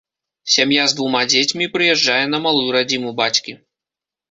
Сям'я з двума дзецьмі прыязджае на малую радзіму бацькі.